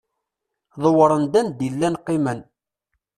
Dewren-d anda i llan qqimen.